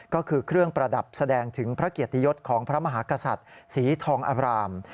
ก็คือเครื่องประดับแสดงถึงพระเกียรติยศของพระมหากษัตริย์สีทองอบราม